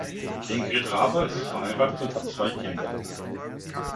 Ingrid Raber ist verheiratet und hat zwei Kinder.